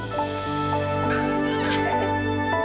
hehehe untuk kamu